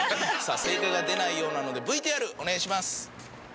正解が出ないようなのでＶＴＲお願いします。